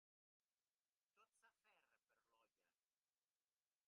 Tot s'aferra per l'olla.